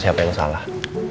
siapa yang salah